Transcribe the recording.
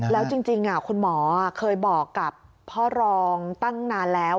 แล้วจริงคุณหมอเคยบอกกับพ่อรองตั้งนานแล้ว